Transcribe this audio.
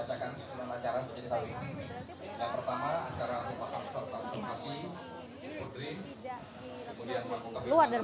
yang pertama acara pasang pasang konsultasi world dream